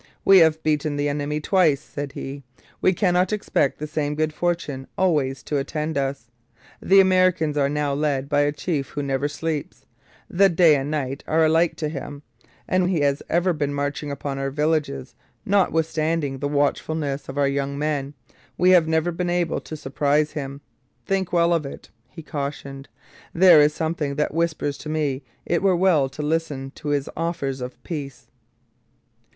'We have beaten the enemy twice,' said he. 'We cannot expect the same good fortune always to attend us. The Americans are now led by a chief who never sleeps. The day and night are alike to him, and he has been ever marching upon our villages, notwithstanding the watchfulness of our young men. We have never been able to surprise him. Think well of it,' he cautioned; 'there is something that whispers to me it were well to listen to his offers of peace.'